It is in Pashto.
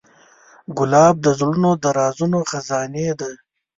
ګلاب د زړه د رازونو خزانې ده.